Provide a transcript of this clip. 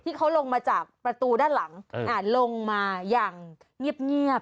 ที่เขาลงมาจากประตูด้านหลังอ่าลงมาอย่างเงียบเงียบ